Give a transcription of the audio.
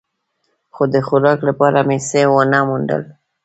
خو د خوراک لپاره مې څه و نه موندل.